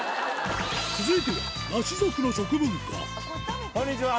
続いてはナシ族の食文化こんにちは。